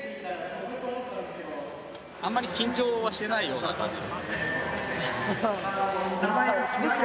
あんまり緊張はしてないような感じ？